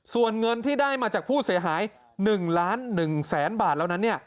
ส่วนเงินที่ได้มาจากผู้เสียหาย๑ล้าน๑แสนบาทแล้วนั้น